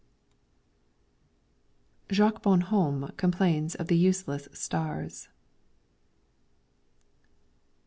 C. Jacques Bonhomme complains of the useless stars.